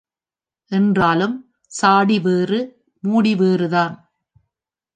என்றாலும் சாடி வேறு மூடி வேறுதான்.